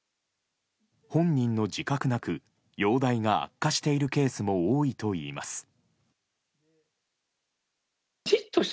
本人の自覚なく容体が悪化しているケースも多いといいます。